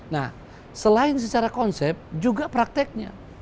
nah selain secara konsep juga prakteknya